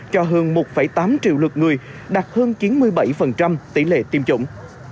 cho hơn một tám triệu lượt người đạt hơn chín mươi bảy tỷ lệ tiêm chủng